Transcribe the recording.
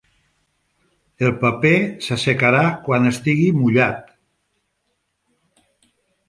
El paper s'assecarà quan estigui mullat.